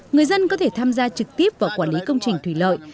người dân có thể tham gia trực tiếp vào quản lý công trình thủy lợi